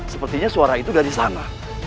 sepertinya suara itu dari sana